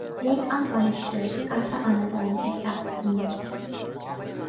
Lig an bainisteoir scata amadáin isteach san óstán